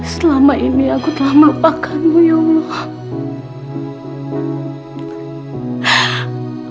selama ini aku telah melupakanmu ya allah